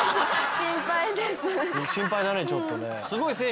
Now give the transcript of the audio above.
心配だねちょっとね。